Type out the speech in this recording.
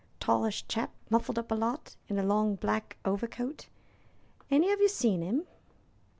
Tallish chap, muffled up a lot, in a long black overcoat. Any of ye seen 'im?"